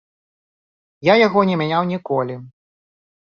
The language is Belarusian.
Я яго не мяняў ніколі.